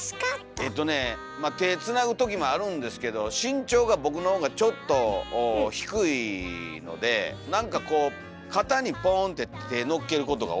えとねまあ手つなぐときもあるんですけど身長が僕のほうがちょっと低いのでなんかこう肩にポンって手のっけることが多いですね。